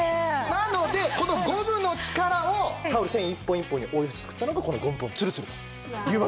なのでこのゴムの力をタオル繊維一本一本に応用して作ったのがこのゴムポンつるつるというわけなんです。